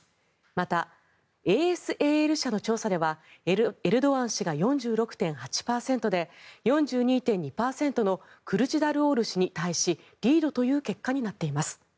また、ＡＳＡＬ社の調査ではエルドアン氏が４６．８％で４２．２％のクルチダルオール氏に対しリードという結果になっています。